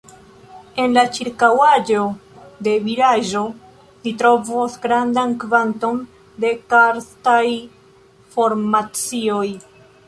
En la ĉirkaŭaĵo de vilaĝo ni trovos grandan kvanton de karstaj formacioj.